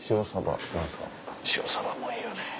汐サバもいいよね。